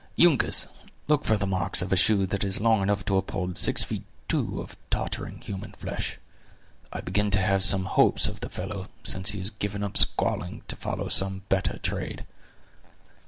"Uncas, look for the marks of a shoe that is long enough to uphold six feet two of tottering human flesh. I begin to have some hopes of the fellow, since he has given up squalling to follow some better trade."